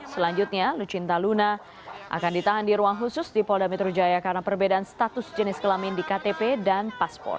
selanjutnya lucinta luna akan ditahan di ruang khusus di polda metro jaya karena perbedaan status jenis kelamin di ktp dan paspor